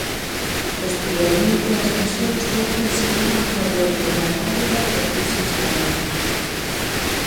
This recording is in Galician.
Posteriormente as lesións vólvense dunha cor vermella pálida e non se esvaen.